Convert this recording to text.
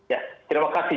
ya terima kasih